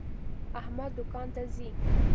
احمد دوکان ته ځي.